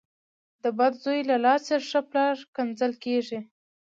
ـ د بد زوی له لاسه ښه پلار کنځل کېږي .